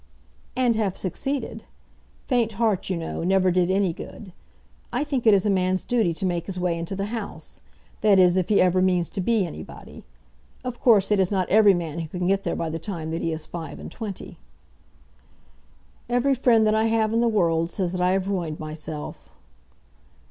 "And have succeeded. Faint heart, you know, never did any good. I think it is a man's duty to make his way into the House; that is, if he ever means to be anybody. Of course it is not every man who can get there by the time that he is five and twenty." "Every friend that I have in the world says that I have ruined myself."